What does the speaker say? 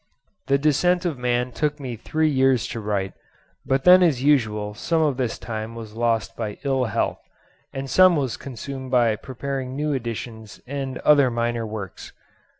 The 'Descent of Man' took me three years to write, but then as usual some of this time was lost by ill health, and some was consumed by preparing new editions and other minor works.